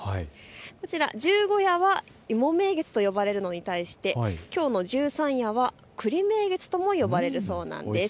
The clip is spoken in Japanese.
こちらは十五夜は芋名月と呼ばれるのに対して十三夜は、くり名月とも呼ばれるそうです。